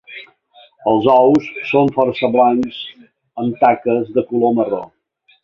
Els ous són força blancs amb taques de color marró.